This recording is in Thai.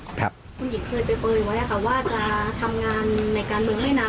คุณหญิงเคยเปลวัยว่าจะทำงานในการเมืองไม่นาน